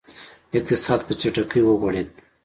اقتصاد په چټکۍ وغوړېد.